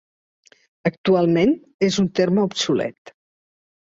Actualment és un terme obsolet.